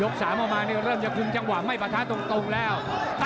ยกสามออกมาเริ่มจะคุมจังหวะไม่ประท้าตรงแล้ว